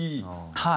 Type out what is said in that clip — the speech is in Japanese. はい。